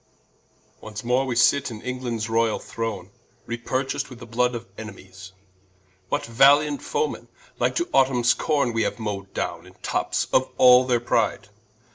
Once more we sit in Englands Royall Throne, Re purchac'd with the Blood of Enemies: What valiant Foe men, like to Autumnes Corne, Haue we mow'd downe in tops of all their pride?